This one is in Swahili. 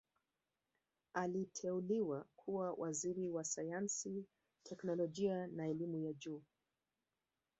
aliteuliwa kuwa Waziri wa sayansi teknolojia na elimu ya juu